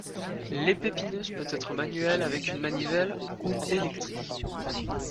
L'épépineuse peut être manuelle avec une manivelle ou électrique.